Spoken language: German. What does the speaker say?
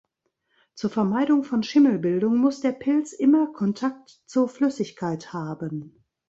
Zur Vermeidung von Schimmelbildung muss der Pilz immer Kontakt zur Flüssigkeit haben.